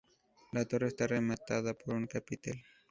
La torre está rematada por un capitel.